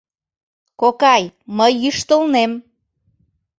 — Кокай, мый йӱштылнем...